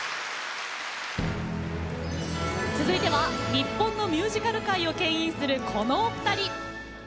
続いては日本のミュージカル界をけん引するこのお二人。